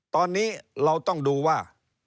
ตอนนี้เราต้องดูว่า